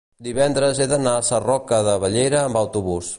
divendres he d'anar a Sarroca de Bellera amb autobús.